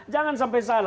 jangan sampai salah